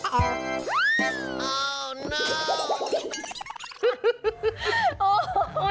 เอาโน่